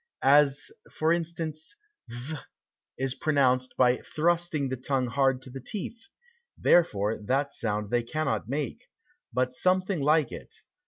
As for instance th is pronounced by thrusting the tongue hard to the teeth, therefore that sound they cannot make, but something like it.